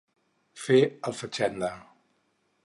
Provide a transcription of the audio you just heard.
Fer el fatxenda.